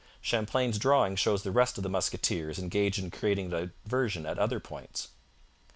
Champlain's drawing shows the rest of the musketeers engaged in creating a diversion at other points.